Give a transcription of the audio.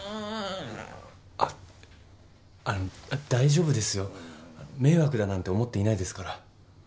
あっあの大丈夫ですよ迷惑だなんて思っていないですから。